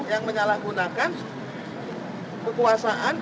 yang menyalahgunakan kekuasaan